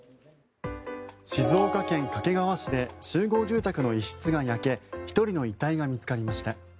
静岡県掛川市で集合住宅の一室が焼け１人の遺体が見つかりました。